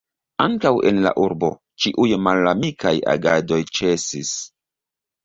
Ankaŭ en la urbo, ĉiuj malamikaj agadoj ĉesis.